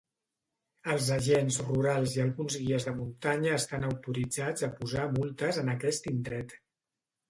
Els agents rurals i alguns guies de muntanya estan autoritzats a posar multes en aquest indret.